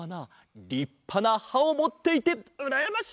りっぱなはをもっていてうらやましい！